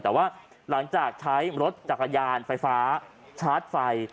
แต่ว่าหลังจากใช้รถจักรยานไฟฟ้าชาร์จไฟ